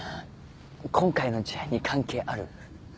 今回の事案に関係ある？